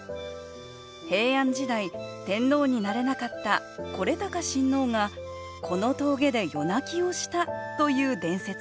平安時代天皇になれなかった惟喬親王がこの峠で夜泣きをしたという伝説があります